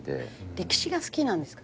歴史が好きなんですか？